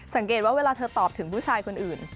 สังเกตว่าเวลาเธอตอบถึงผู้ชายคนอื่น